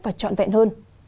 và trọn vẹn hơn